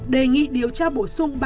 đề nghị điều tra bổ sung